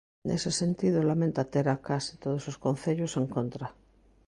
Nese sentido, lamenta ter a case todos os concellos en contra.